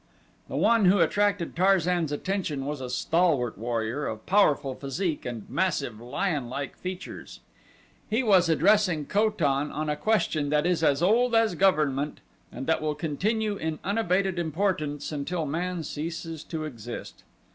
The one who attracted Tarzan's attention was a stalwart warrior of powerful physique and massive, lion like features. He was addressing Ko tan on a question that is as old as government and that will continue in unabated importance until man ceases to exist.